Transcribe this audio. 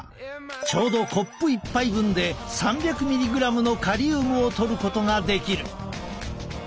ちょうどコップ１杯分で３００ｍｇのカリウムをとることができる。